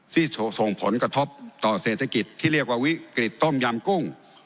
ที่ส่งผลกระทบต่อเศรษฐกิจที่เรียกว่าวิกฤตต้มยำกุ้ง